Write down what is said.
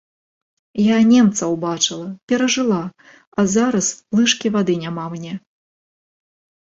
Я немцаў бачыла, перажыла, а зараз лыжкі вады няма мне!